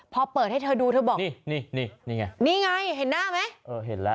พอเปิดให้เธอดูเธอบอกนี่นี่ไงนี่ไงเห็นหน้าไหมเออเห็นแล้ว